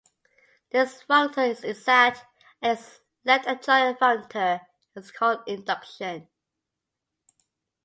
This functor is exact, and its left adjoint functor is called "induction".